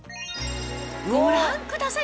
ご覧ください